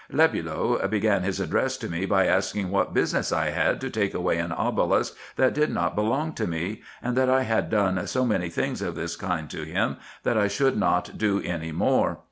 Lebulo began his address to me, by asking, what business I had to take away an obelisk that did not belong to me ; and that I had done so many things of this kind to him, that I should not do any more.